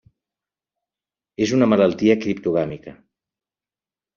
És una malaltia criptogàmica.